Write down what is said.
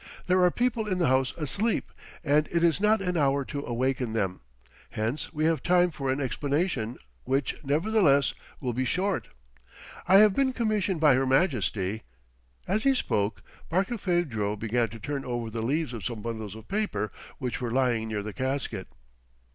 There are people in the house asleep, and it is not an hour to awaken them. Hence we have time for an explanation, which, nevertheless, will be short. I have been commissioned by her Majesty " As he spoke, Barkilphedro began to turn over the leaves of some bundles of papers which were lying near the casket.